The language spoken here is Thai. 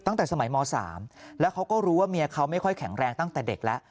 ตั้งแต่สมัยม๓แล้วเขาก็รู้ว่าเมียเขาไม่ค่อยแข็งแรงตั้งแต่เด็กแล้ว